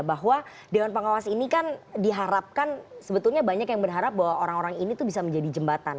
bahwa dewan pengawas ini kan diharapkan sebetulnya banyak yang berharap bahwa orang orang ini tuh bisa menjadi jembatan